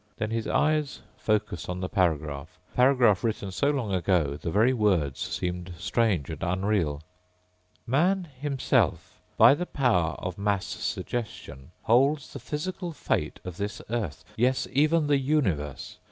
Then his eyes focused on the paragraph, a paragraph written so long ago the very words seemed strange and unreal: _Man himself, by the power of mass suggestion, holds the physical fate of this earth ... yes, even the universe.